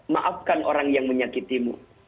maafkan orang yang menyakitimu